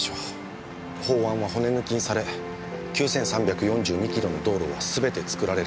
法案は骨抜きにされ９３４２キロの道路はすべて造られる。